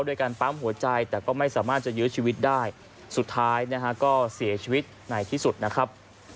ด้วยการปั๊มหัวใจแต่ก็ไม่สามารถจะยื้อชีวิตได้สุดท้ายนะฮะก็เสียชีวิตในที่สุดนะครับ